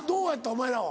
お前らは。